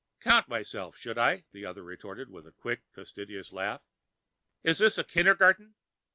"Count myself, should I?" the other retorted with a quick facetious laugh. "Is this a kindergarten?